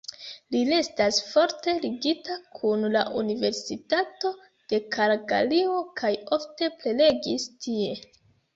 Li restas forte ligita kun la Universitato de Kalgario kaj ofte prelegis tie.